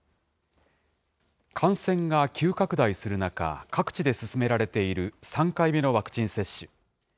感染が急拡大する中、各地で進められている３回目のワクチン接種。